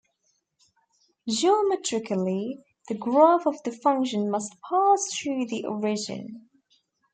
Geometrically, the graph of the function must pass through the origin.